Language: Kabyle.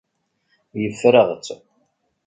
Yeffer-aɣ-tt.